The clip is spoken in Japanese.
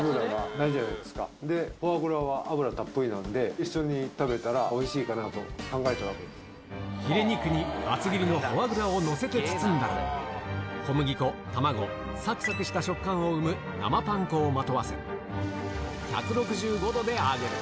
ひれは脂が少ないじゃないですか、フォアグラは脂たっぷりなんで、一緒に食べたらおいしいかヒレ肉に厚切りのフォアグラを載せて包んだら、小麦粉、卵、さくさくした食感を生む生パン粉をまとわせ、１６５度で揚げる。